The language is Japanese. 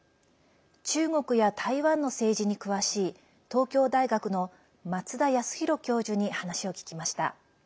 中国や台湾の政治に詳しい東京大学の松田康博教授に話を聞きました。